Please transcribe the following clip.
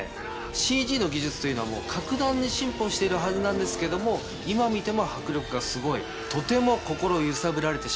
ＣＧの技術というのは格段に進歩しているはずなんですけども今見ても迫力がすごいとても心揺さぶられてしまう。